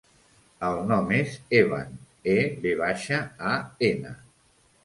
El nom és Evan: e, ve baixa, a, ena.